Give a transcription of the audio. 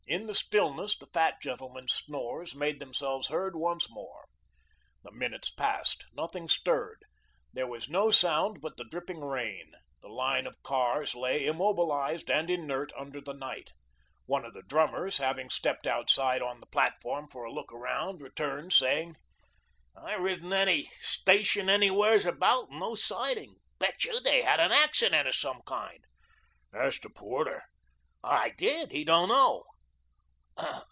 In the stillness the fat gentleman's snores made themselves heard once more. The minutes passed; nothing stirred. There was no sound but the dripping rain. The line of cars lay immobilised and inert under the night. One of the drummers, having stepped outside on the platform for a look around, returned, saying: "There sure isn't any station anywheres about and no siding. Bet you they have had an accident of some kind." "Ask the porter." "I did. He don't know."